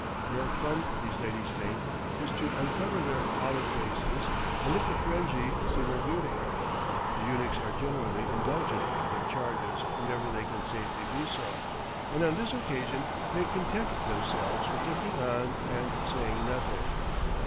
Rare fun these ladies think it to uncover their olive faces and let the Ferenghi see their beauty; the eunuchs are generally indulgent to their charges whenever they can safely be so, and on this occasion they content themselves with looking on and saying nothing.